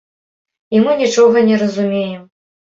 І мы нічога не разумеем!